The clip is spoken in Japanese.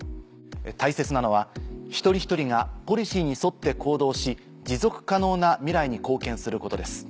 大切なのは一人一人がポリシーに沿って行動し持続可能な未来に貢献することです。